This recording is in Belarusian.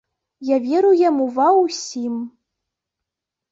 Я веру яму ва ўсім.